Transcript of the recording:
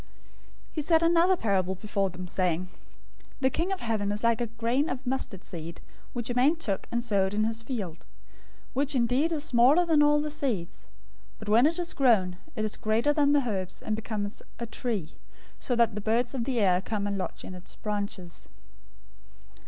"'" 013:031 He set another parable before them, saying, "The Kingdom of Heaven is like a grain of mustard seed, which a man took, and sowed in his field; 013:032 which indeed is smaller than all seeds. But when it is grown, it is greater than the herbs, and becomes a tree, so that the birds of the air come and lodge in its branches."